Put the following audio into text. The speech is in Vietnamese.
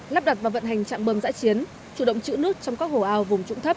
lắp đặt và vận hành trạm bơm giãi chiến chủ động chữ nước trong các hồ ao vùng trũng thấp